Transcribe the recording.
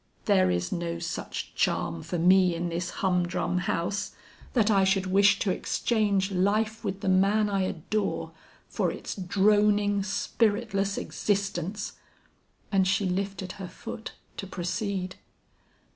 'There is no such charm for me in this humdrum house, that I should wish to exchange life with the man I adore, for its droning, spiritless existence!' And she lifted her foot to proceed.